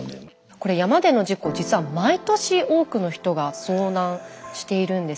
これ山での事故実は毎年多くの人が遭難しているんですね。